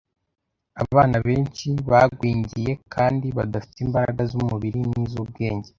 Abana benshi bagwingiye kandi badafite imbaraga z’umubiri n’iz’ubwenge,